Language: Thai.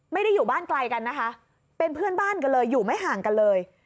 ไม่ได้อยู่บ้านไกลกันนะคะเป็นเพื่อนบ้านกันเลยอยู่ไม่ห่างกันเลย